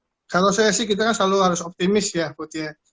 ya kalau saya sih kita kan selalu harus optimis ya put ya